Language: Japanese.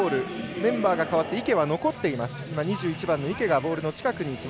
メンバーが代わって池は残っています。